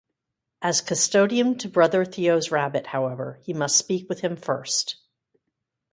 As custodian to Brother Theo's rabbit, however, he must speak with him first.